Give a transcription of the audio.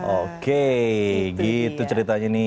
oke gitu ceritanya